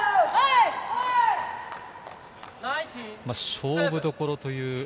勝負どころという。